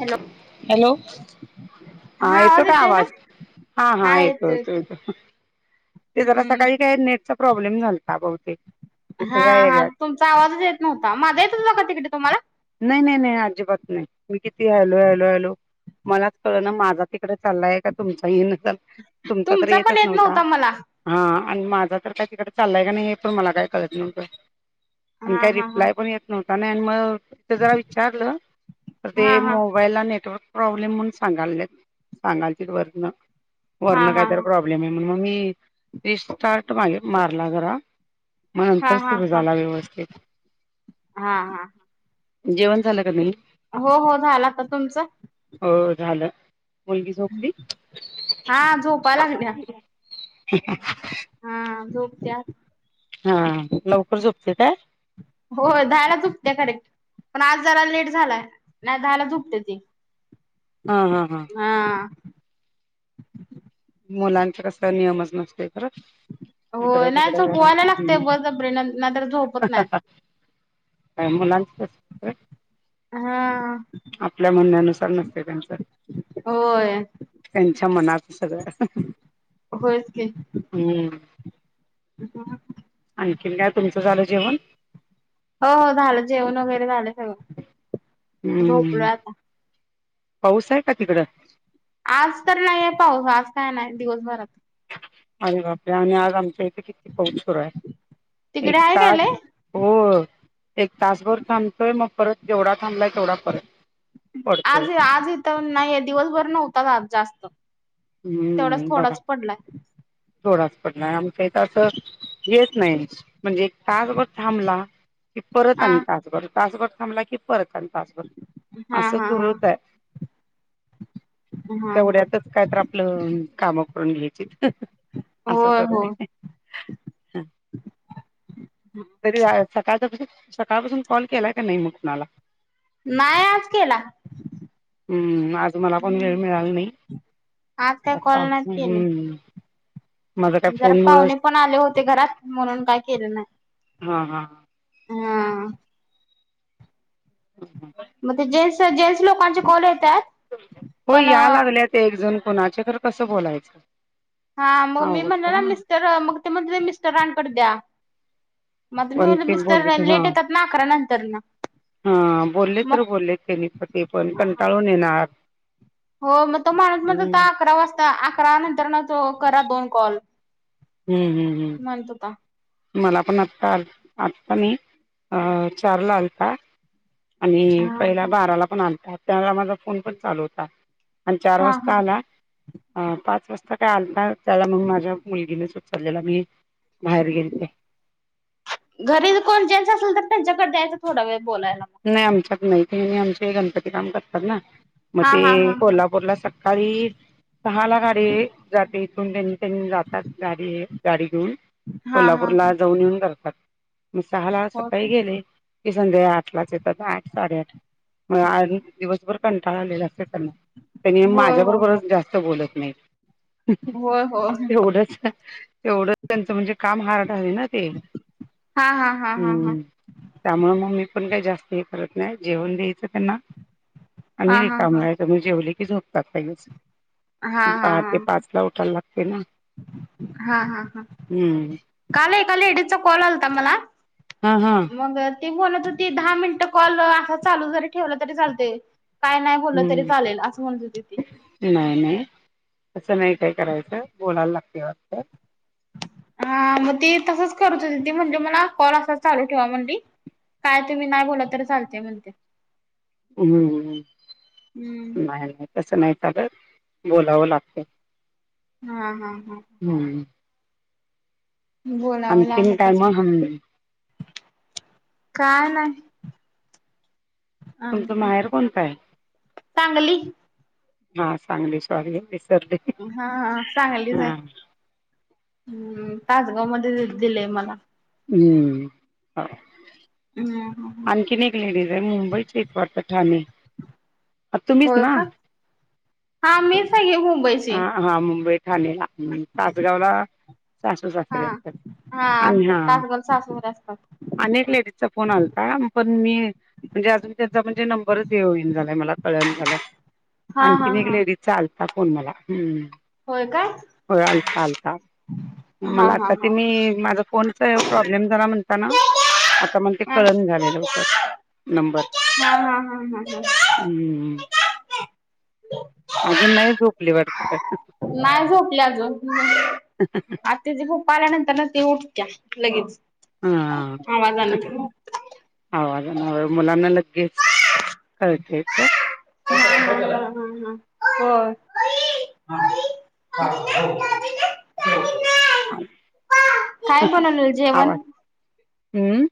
Hello hello! हा येतो काय आवाज? हा हा येतो येतोय येतो येतोय येतो. ते जरा हम्म सकाळी काय नेटचा प्रॉब्लेम झालता बहुतेक. इथं हा ह्या हा एरियात तुमचा आवाजच येत नव्हता. माझा येत होता का तिकडे तुम्हाला? नाही नाही नाही अजिबात नाही मी किती हॅलो हॅलो हॅलो मलाच कळ ना माझा तिकडे चाललाय का तुमचा येन झाला तुमचा तर पण येतच येत नव्हता. मला हा आणि माझा तर काय तिकडे चाललाय का नाही हे पण मला काय कळत नव्हतं. आणि हा काही हा हा रिप्लाय पण येत नव्हता नाही आणि मग ते जरा विचारलं तर हा ते मो हा मोबाईला नेटवर्क प्रॉब्लेम म्हणून सांगायला सांगालतीत वर्ण हा वर्ण हा काहीतरी प्रॉब्लेम प्रॉब्लेम आहे म्हणून मी रिस्टार्ट मारला जरा. मग हा नंतर हा सुरू हा झाला व्यवस्थित. हा हा जेवण झालं का नाही? हो हो झाला आता तुमचं? हो झालं. मुलगी झोपली? हा झोपा लागल्या ह [inaudible] हा झोपली आताच. हा लवकर झोपते काय? हो दहाला झोपत्या करेक्ट. पण आज जरा लेट झालाय नाही तर दहा ला झोपते ती. हां हां हा मुलांचे कसं काय नियमच नसते. हो इकडे नाही तिकड जरा. झोपवायला लागते बळजबरी नाही तर झोपत नाहीत का मुलांचं [inaudible] हा... आपल्या म्हणण्यानुसार नसते त्यांचं, होय त्यांच्या मनात सगळं- होयच की. हम्म तस [inaudible] आणखीन काय तुमचं झालं जेवण? हो हो झालं जेवण वगैरे झालं सगळं झोपतोय हम्म आता. पाऊस आहे का तिकडं? आज तर नाहीये पाऊस, आज काय नाही दिवसभरात. आणि बापरे आणि आज आमच्या इथे किती पाऊच सुरू आहे एक तिकडे आहे काय तास लय? हो एक तासभर थांबतोय मग परत जेवढा थांबलाय तेवढा परत पडतोय आज आज इथ नाहीये दिवसभर नव्हता आज जास्त तेवढाच हम्म बघा थोडाच पडलाय थोडाच पडला आमच्या इथ असं हेच नाही म्हणजे एक तासवर थांबला कि परत हा आणि तासभर तासभर थांबला की परत आणि तासभर हा असं हा हा सुरूच हाय हा हा तेवढ्यातच काय तर आपलं काम करून घ्यायचीत असं होय होय. आहे ह तरी सकाळच्यापासून सकाळपासून कॉल केलाय का नाही मग कुणाला नाय आज केला हू आज मला पण वेळ मिळाला नाही आज काय कॉल नाहीत हू केले जरा पाहुणे पण आले होते घरात म्हणून काय केलं नाय हा हा हा हू [inaudible] मग ते जेंट्स जेंट्स लोकांचे कॉल येत्यात पण ते एक जण कुणाचे खर कसं बोलायचं हा मग मी म्हणलं ना मिस्टर मग ते म्हणत्यात मिस्टरांकड द्या मग मी पण म्हटलं ते मिस्टर बोलले तर हा लेट येतात ना अकरा नंतर न हा बोलले तर बोलले तेनी प ते पण कंटाळून येणार हो म तो माणूस म्हणत हम्म होता अकरा वाजता अकरा नंतरन तो करा दोन कॉल हू हू हू म्हणत होता मला पण आत्ता आत्ता नई चारला आलता आणि हा पहिला बाराला पण आलता त्यावेळेला माझा फोन पण चालू होता आणि चार हा वाजता हा आला अ पाच वाजता काय आलता त्यावेळेला मग माझ्या मुलगीनेच उचललेला मी बाहेर गेलते घरी कोण जेन्स असल तर त्यांच्याकड द्यायचं थोडा वेळ बोलायला मग नाही आमच्यात नाही तेनी आमचे हे गणपती काम करतात ना हा हा मते हा हा कोल्हापूरला सकाळी सहाला गाडी जाते इथून त्यांनी जातात गाडीये गाडी घेऊन हा हा कोल्हापूरला जाऊन येऊन करतात म सहाला सकाळी गेले की संध्याकाळी आठ लाच येत आठ साडेआठ म आले की दिवसभर कंटाळ आलेला असतय त्यांना त्यांनी होय माझ्या हो बरोबरच जास्त बोलत नाहीत होय एवढच एवढच त्यांचं म्हणजे काम हार्ड हाय ना ते हा हा हा हा हा त्यामुळ मग मी काही जास्त हे करत नाही जेवण द्यायचं त्यांना आणि हा रिकाम हा व्हायचं म जेवले की झोपतात लगेच हा हा हा पहाटे पाच ला उठायला लागते ना हा हा हा हा हू काल एका लेडीजचा कॉल आलता मला हा हा मंग ती बोलत होती दहा मिनिट कॉल असा चालू जरी ठेवला तरी चालतय काय नाही बोललं तरी हम्म चालेल असं म्हणत होती ती नाही नाही तसं नाही काय करायचं बोलायला लागते वाटत हा म ती तसंच करत होती ती म्हटली मला कॉल असा चालू ठेवा म्हटली काय तुम्ही नाही बोला तर चालते म्हणते. हम्म हम्म नाही तसं नाही चालंत बोलावं लागत. हा हा हा हम्म बोलावं आणखीन लागत काय असेल. मग? काय नाय तुमचं आम्ही माहेर कोणतं आहे? सांगली. हा सांगली सॉरी. विसरले हा हा चांगली हा झाली. हम्म तासगाव मध्ये दिलंय मला. हम्म हो हम् आणखीन एक लेडीज आहे, मुंबईच्यात आहे वाटतं ठाणे तुम्हीच होय ना? का हा मीच हाय की मुंबईची. हा हा मुंबई ठाणे ना. तासगाव ला सासू सासरे असतात. आणि हा तासगावात सासू सासरे असतात. आणि एक लेडीज चा फोन आलता. ह पण मी म्हणजे अजून त्यांचा म्हणजे नंबरच हे होईना झालायं मला कळणा झालाय. हा हा हा तिचा आलता फोन मला. होय काय हो अआलता आलता हा मला हा आता हा. तेन्ही माझा फोन झाल्यावर प्रॉब्लेम झाला ना म्हणता आता मग ते हा कळना झालेलं लवकर, नंबर, हा हा हा हा. अजून नाही झोपली वाटते. नाय झोपली अजून, [inaudible] आता तिचे पप्पा आल्यानंतर ना ती उठते लगेच आवाज आवाजान. आवाज मुलांना लगेच कळते. [inaudible] [inaudible] हां काय बनवलेलं जेवाय? हम्म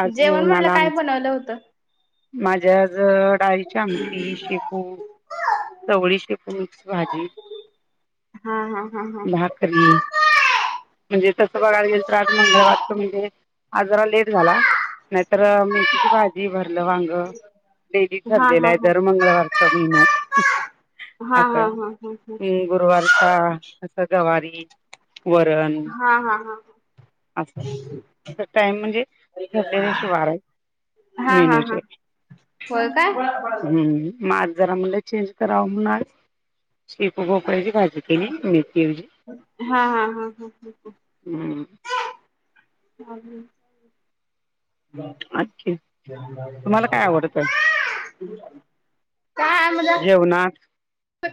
आज जेवनाला आलं होत. माझ्या ज डाळीची आमठी शेपू, चवळी, शेपू मिक्स भाजी हा हा हा हा. भाकरी‌. म्हणजे तसं बघाला गेल तर आज मंगळवार तर म्हणजे आज जरा लेट झाला. नाहीतर मेथीची भाजी, भरलं वांग, डेली हा हा ठरलेले हा. दर मंगळवारचा मेनु, हा हा हा हा हा हम्म गुरुवारचा असं गवारी, वरण, हा हा हा हा असं अस टाइम म्हणजे ठरलेलं अशे वार. हा हा हा मेनूचे होय काय. म आज जरा म्हणलं चेंज करावं म्हणुन आज शेपूगोकाळची भाजी केली मेथी ऐवजी. हा हा. हां हां ह ह. हम्म. [unintelligible] आणखी तुम्हाला काय आवडतंय [unintelligible] म्हणजे जेवलात.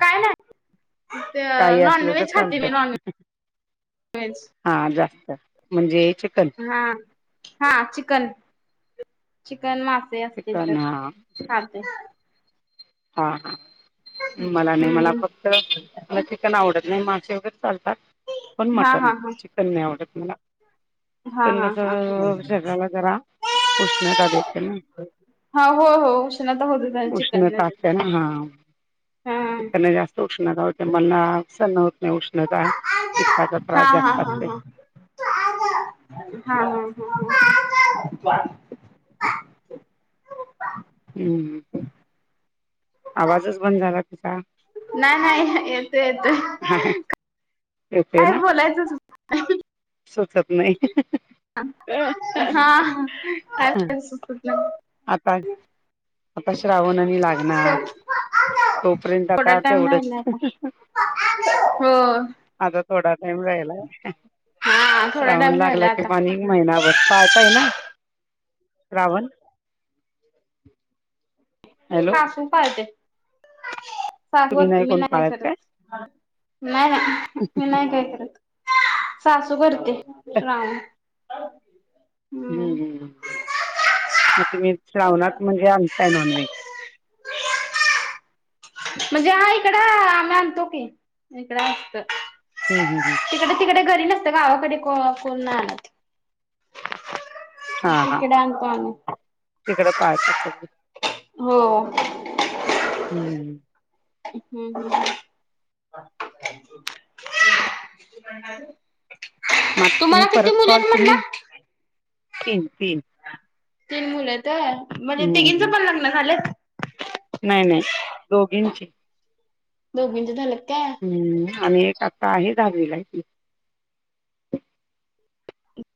काय नाही ते काही नॉन असलं तर व्हेज खाती मी चालतंय नॉन व्हेज. व्हेज. हा जास्त म्हणजे चिकन हा हा चिकन, चिकन मासे असतील तर चिकन हा खाते. हा हा. मला नाही मला हम्म फक्त मला चिकन आवडत नाही, मासे वगैरे चालतात. पण हा मटन, हा हा चिकन नाही आवडत मला. हा चिकन हा कस हा शरीराला जरा उष्णता देते ना. हा हो हो उष्णता होत त्यांन चिकन हिट मध्ये असते न हा. हा चिकनला जास्त उष्णता होते, मला सहन होत नाही उष्णता. हा पित्ताचा हा हा त्रास हा जास्त असतो. हा हा हा. हा हंम. आवाजच बंद झाला तुझा. नाही नाही येतो येतोय, येतोय काय ना बोलायचं सुचत नाही. सुचत नाही. हा काय बोलायचं सुचत नाही. आता, आता श्रावणानी लागणार. नाही. तोपर्यंत थोडा आता टाइम राहिला आता. तेवढंच. हो आता थोडा टाईम राहिलाय, हा थोडा श्रावण टाइम लागला राहिला की आता. पाणी महिनाभर, पाळताय ना श्रावण. हॅलो सासू पाळते. सासू तुम्ही करते मी कोण नाही पाळत काय करत, नाही ना मी नाय काय करत. सासू करती, श्रावण. हम्म हंम हंम मग तुमी श्रावणात म्हणजे, आणताय नॉन व्हेज. म्हणजे हा इकड आम्ही आणतो की, इकडं असत हंम हंम हंम. तिकडे तिकडे घरी नसतं, गावाकडे कोण नाही आणत. हा हा इकडे आणतो आम्ही हा तिकडं पाळतात सगळे. हो हम्म ह. श्रीखंड आहे. मग आता तुम्ही परत कॉल, म्हणला? तुम्ही तीन तीन तीन मुलं आहेत काय, म्हणजे हम्म तीघींचं पण लग्न झालेत. नाही नाही, दोघींची. दोघींचे झालेत काय हू आणि एक आता आहे दहावीला हाय ती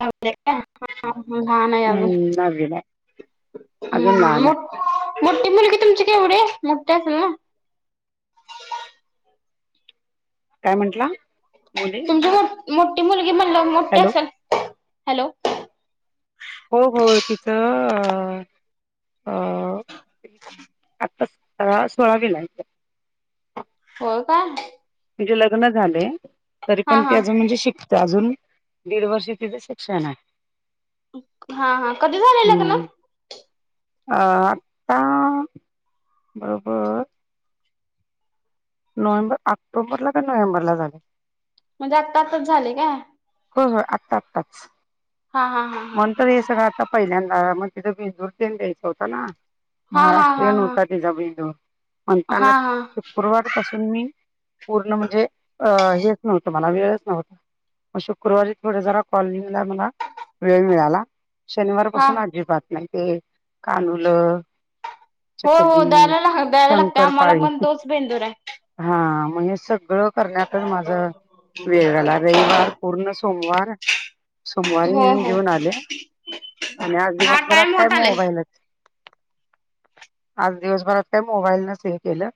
दहावीला आहे काय म लहान आहे अजून हम्म दहावीला आहे अजून लहान आहे मोठी मोठी मुलगी तुमची केवढी हे मोठी असेल ना काय म्हंटला मुली तुमची मो मोठी मुलगी म्हणाल्यावर मोठी हॅलो असल हॅलो हो हो तिचं अ अ आ सोळावीला हाय होय का तिज लग्न झालय तरी हा पण ती हा अजून म्हणजे शिक ते अजून दीड वर्ष तिच शिक्षण हाय हा हा कधी झालय लग्न हम्म अ आता बरोबर नोव्हेंबर ऑक्टोबरला का नोव्हेंबरला झालय म्हणजे आता आताच झालंय काय होय होय आत्ता आत्ताच हा हा हा हा म्हणून हा तर हे सगळं आता पहिल्यांदा मग तिथं बेंदूर तेन द्यायचं होत ना हा हा हा महाराष्ट्रीयन हा होता तिचा बेंदूर म्हणताना हा हा शुक्रवार पासून मी पूर्ण म्हणजे अ हेच नव्हतं मला वेळच नव्हता म शुक्रवारी थोढ जरा कॉलिंगला मला वेळ मिळाला शनिवार हा पासून अजिबात नाही ते कानूलं हो हो चकली द्यायला लाग द्यायला लागत आम्हाला शंकरपाळी पण तोच बेंदूर हाय हा म हे सगळं करण्यातच माझ वेळ झाला रविवार पूर्ण सोमवार सोमवारी हो नेऊन हो देऊन आले आणि आज हा दिवसभरात टाइम काय होत आलंय. मोबाईल आज दिवसभरात काय मोबाईल नच हे केलं